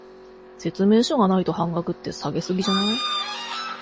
説明書がないと半額って、下げ過ぎじゃない？